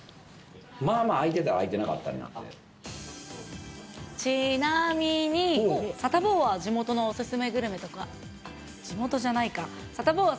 まあまあ空いてたり空いてなかっちなみに、サタボーは地元のお勧めグルメとか、地元じゃないか、サタボーは